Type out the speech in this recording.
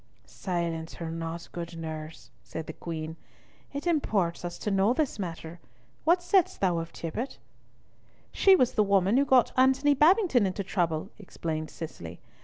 "Silence her not, good nurse," said the Queen, "it imports us to know this matter. What saidst thou of Tibbott?" "She was the woman who got Antony Babington into trouble," explained Cicely.